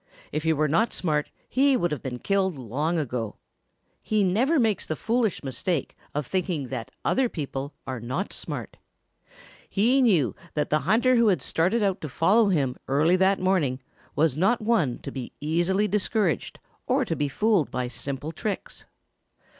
If he were not smart he would have been killed long ago. He never makes the foolish mistake of thinking that other people are not smart. He knew that the hunter who had started out to follow him early that morning was not one to be easily discouraged or to be fooled by simple tricks.